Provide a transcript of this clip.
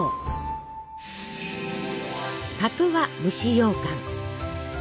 「里」は蒸しようかん。